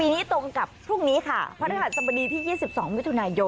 นี้ตรงกับพรุ่งนี้ค่ะพระทักษัตริย์สมดีที่๒๒มิย